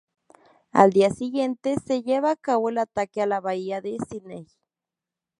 Al día siguiente se lleva a cabo el ataque a la bahía de Sídney.